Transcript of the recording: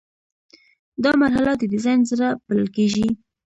دا مرحله د ډیزاین زړه بلل کیږي.